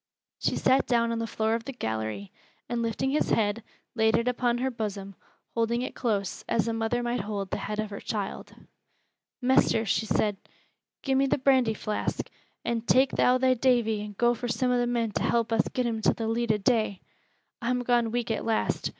She sat down upon the floor of the gallery, and lifting his head, laid it upon her bosom, holding it close, as a mother might hold the head of her child. "Mester," she said, "gi' me th' brandy flask, and tak' thou thy Davy an' go fur some o' the men to help us get him to th' leet o' day. I'm gone weak at last.